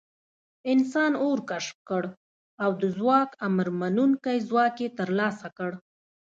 انسان اور کشف کړ او د ځواک امرمنونکی ځواک یې تر لاسه کړ.